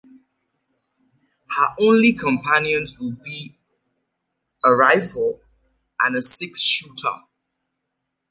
Her only companions will be a rifle and a six shooter.